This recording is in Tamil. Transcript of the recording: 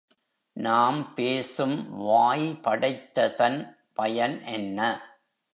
நாம் பேசும் வாய் படைத்ததன் பயன் என்ன?